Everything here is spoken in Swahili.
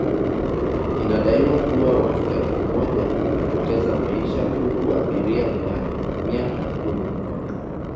Inadaiwa kuwa watu elfu moja walipoteza maisha huku abiria Mia na kumi